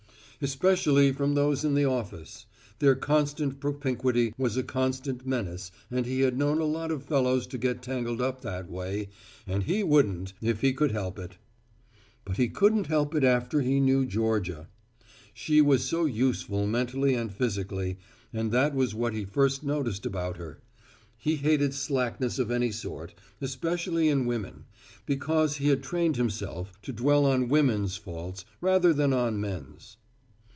Especially from those in the office. Their constant propinquity was a constant menace and he had known a lot of fellows to get tangled up that way, and he wouldn't if he could help it. But he couldn't help it after he knew Georgia. She was so useful mentally and physically, and that was what he first noticed about her. He hated slackness of any sort, especially in women, because he had trained himself to dwell on women's faults rather than on men's.